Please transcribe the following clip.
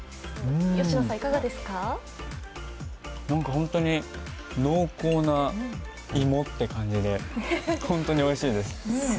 ホントに濃厚な芋って感じでホントにおいしいです。